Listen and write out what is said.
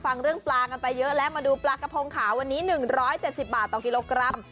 ฟังเรื่องปลากันไปเยอะแล้วมาดูปลากระพงขาววันนี้๑๗๐บาทต่อกิโลกรัม